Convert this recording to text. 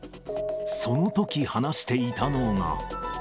そのとき話していたのが。